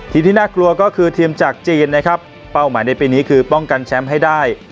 ที่น่ากลัวก็คือทีมจากจีนนะครับเป้าหมายในปีนี้คือป้องกันแชมป์ให้ได้